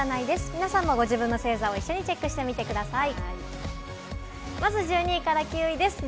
皆さんもご自分の星座を一緒にチェックしてみてください。